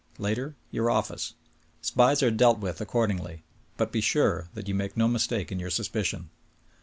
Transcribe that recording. Later, your office. Spies are dealt with accordingly. But be sure that you make no mistake in your suspicion.